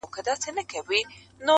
هغه سره له دې چي